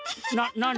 なに？